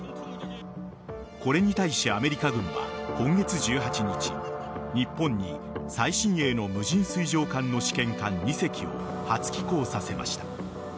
これに対しアメリカ軍は今月１８日日本に最新鋭の無人水上艦の試験艦２隻を初寄港させました。